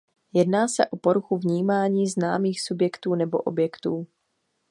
Jedná se o poruchu vnímání známých subjektů nebo objektů.